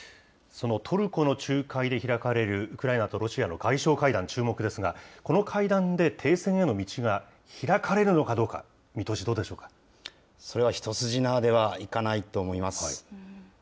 そのトルコの仲介で開かれるウクライナとロシアの外相会談、注目ですが、この会談で停戦への道が開かれるのかどうか、見通し、どそれは一筋縄ではいかないと思います。